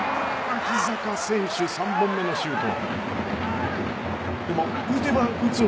脇坂、今日３本目のシュート。